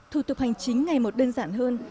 thủ tục hành chính ngày một đơn giản hơn